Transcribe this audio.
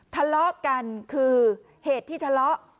ทะเลาะกันคือเหตุที่ทะเลาะ